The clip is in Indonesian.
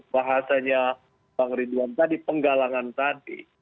bahasanya bang ridwan tadi penggalangan tadi